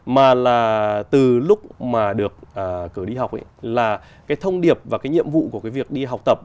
mà là từ lúc mà được cử đi học là cái thông điệp và cái nhiệm vụ của cái việc đi học tập